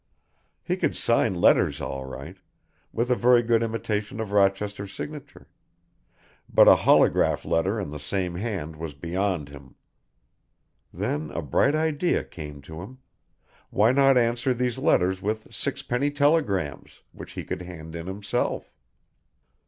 He could sign letters all right, with a very good imitation of Rochester's signature, but a holograph letter in the same hand was beyond him. Then a bright idea came to him, why not answer these letters with sixpenny telegrams, which he could hand in himself?